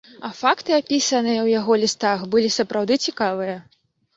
А факты, апісаныя ў яго лістах, былі сапраўды цікавыя.